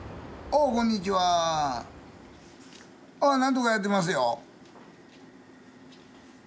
私はなんとかやっておりますよ。